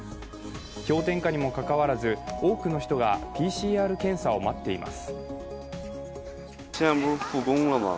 氷点下にもかかわらず多くの人がＰＣＲ検査を待っています